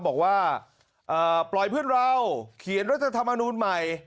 บอกว่าปล่อยเพื่อนเราเขียนรัฐธรรมนูลใหม่